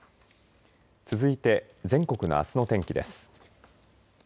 続いて、全国のあすの天気です。